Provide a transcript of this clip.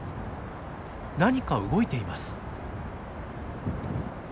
何か動いています。